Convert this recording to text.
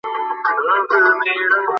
কিন্তু, যদি আমি মিস করি?